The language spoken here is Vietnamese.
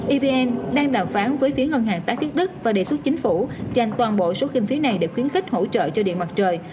evn đang đàm phán với phía ngân hàng tái thiết đức và đề xuất chính phủ dành toàn bộ số kinh phí này để khuyến khích hỗ trợ cho điện mặt trời